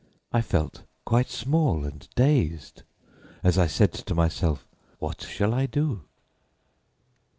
I felt quite small and dazed as I said to myself, "What shall I do?"